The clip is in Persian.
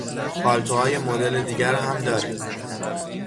پالتوهای مدل دیگر هم داریم.